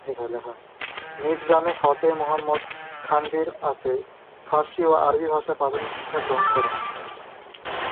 নিজ গ্রামে ফতেহ মুহাম্মদ থানভীর কাছে ফার্সি ও আরবি ভাষার প্রাথমিক শিক্ষা গ্রহণ করেন।